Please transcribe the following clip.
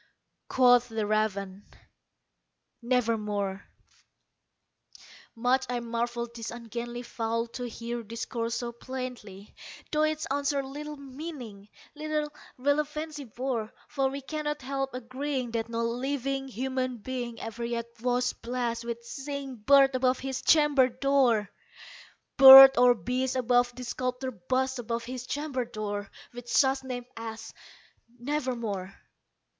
Quoth the raven, "Nevermore." Much I marvelled this ungainly fowl to hear discourse so plainly, Though its answer little meaning little relevancy bore; For we cannot help agreeing that no living human being Ever yet was blessed with seeing bird above his chamber door Bird or beast above the sculptured bust above his chamber door, With such name as "Nevermore."